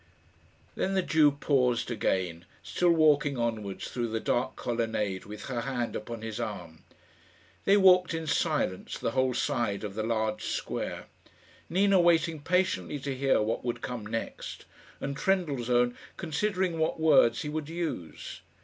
Then the Jew paused again, still walking onwards through the dark colonnade with her hand upon his arm. They walked in silence the whole side of the large square. Nina waiting patiently to hear what would come next, and Trendellsohn considering what words he would use.